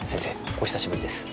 お久しぶりです